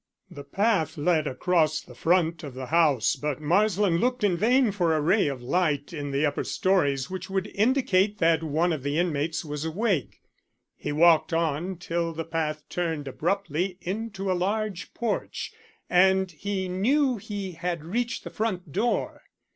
The path led across the front of the house, but Marsland looked in vain for a ray of light in the upper stories which would indicate that one of the inmates was awake. He walked on till the path turned abruptly into a large porch, and he knew he had reached the front door.